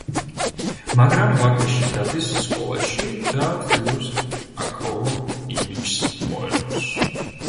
მაგრამ ვაკეში დადის სკოლაში და ცდილობს აქაურ იმიჯს მოერგოს.